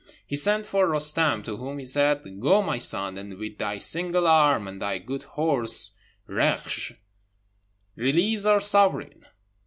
He sent for Roostem, to whom he said, "Go, my son, and with thy single arm, and thy good horse, Reksh, release our sovereign."